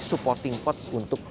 supporting port untuk